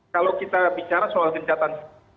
kalau kita bicara soal gencatan